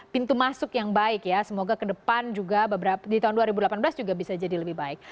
pintu masuk yang baik ya semoga ke depan juga di tahun dua ribu delapan belas juga bisa jadi lebih baik